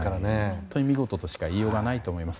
本当に見事としか言いようがないと思います。